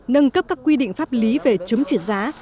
nâng cấp các quy định pháp lý về chống chuyển giá